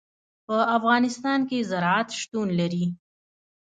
په افغانستان کې زراعت شتون لري.